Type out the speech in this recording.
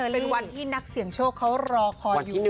เป็นวันที่นักเสี่ยงโชคเขารอคอยอยู่